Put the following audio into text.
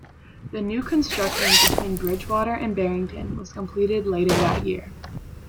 The new construction between Bridgewater and Barrington was completed later that year.